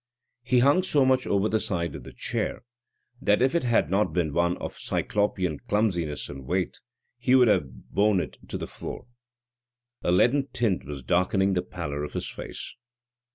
He hung so much over the side of the chair, that if it had not been one of cyclopean clumsiness and weight, he would have borne it to the floor. A leaden tint was darkening the pallor of his face.